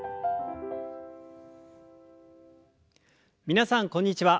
皆さんこんにちは。